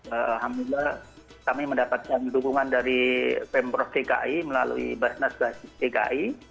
alhamdulillah kami mendapatkan dukungan dari pemprov dki melalui basnas basis dki